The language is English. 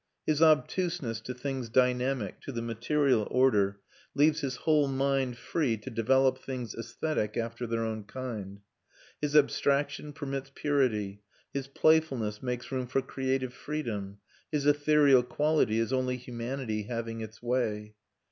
His obtuseness to things dynamic to the material order leaves his whole mind free to develop things æsthetic after their own kind; his abstraction permits purity, his playfulness makes room for creative freedom, his ethereal quality is only humanity having its way.